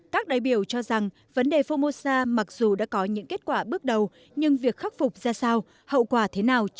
các đại biểu cho rằng vấn đề phomosa mặc dù đã có những kết quả bước đầu nhưng việc khắc phục ra sao